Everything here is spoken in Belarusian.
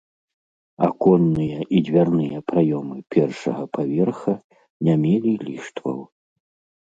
Аконныя і дзвярныя праёмы першага паверха не мелі ліштваў.